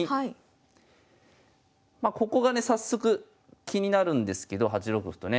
まここがね早速気になるんですけど８六歩とね。